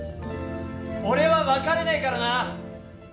俺は別れねえからな。